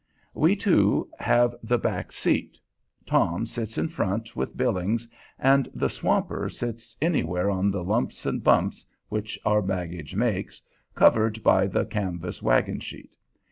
We two have the back seat, Tom sits in front with Billings, and the "swamper" sits anywhere on the lumps and bumps which our baggage makes, covered by the canvas wagon sheet.